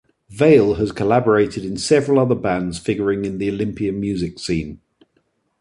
Vail has collaborated in several other bands figuring in the Olympia music scene.